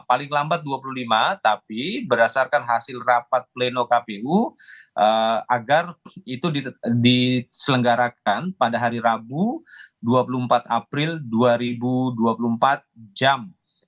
paling lambat dua puluh lima tapi berdasarkan hasil rapat pleno kpu agar itu diselenggarakan pada hari rabu dua puluh empat april dua ribu dua puluh empat jam